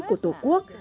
của tổ quốc